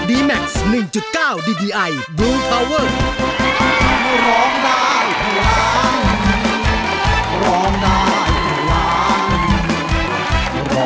สวัสดีครับ